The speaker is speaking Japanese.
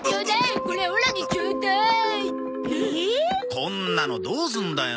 こんなのどうすんだよ？